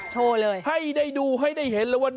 โชว์เลยให้ได้ดูให้ได้เห็นเลยว่า